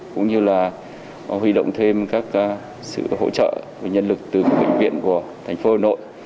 cũng như là huy động thêm các sự hỗ trợ và nhân lực từ các bệnh viện của thành phố hà nội